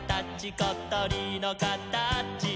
ことりのかたち」